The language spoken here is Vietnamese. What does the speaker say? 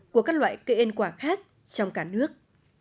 cũng như các loại cây ên quả khác trong cả nước